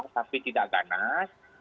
tapi tidak ganas